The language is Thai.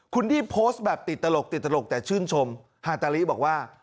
คุณดีโพสต์แบบติดตลกแต่ชื่นชมหาตาริบอกว่า